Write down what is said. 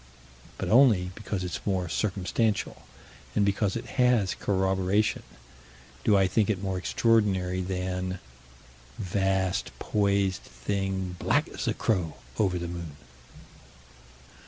But only because it's more circumstantial, and because it has corroboration, do I think it more extraordinary than Vast poised thing, black as a crow, over the moon.